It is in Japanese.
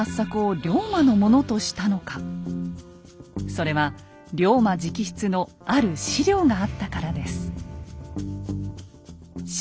それは龍馬直筆のある史料があったからです。